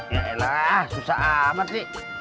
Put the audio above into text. yaelah susah amat nih